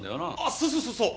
そうそうそうそう！